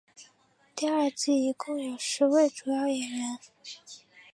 第二季一共有十位主要演员。